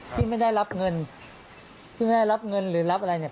ที่ไม่ได้รับเงินที่ไม่ได้รับเงินหรือรับอะไรเนี่ย